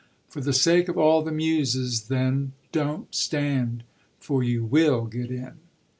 "For the sake of all the muses then don't stand. For you will get in."